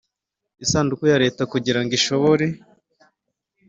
isanduku ya Leta kugira ngo ishobore